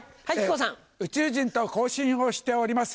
宇宙人と交信をしております。